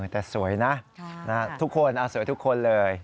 แต่สวยนะทุกคนสวยทุกคนเลย